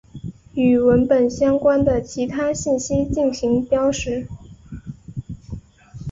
与文本相关的其他信息进行标识。